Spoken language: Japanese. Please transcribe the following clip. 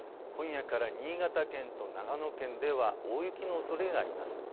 今夜から新潟県と長野県では大雪のおそれがあります。